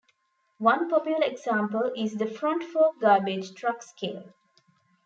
One popular example is the front fork garbage truck scale.